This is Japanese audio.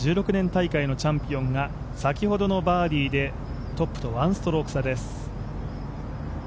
大会のチャンピオンが先ほどのバーディーでトップと１ストローク差です。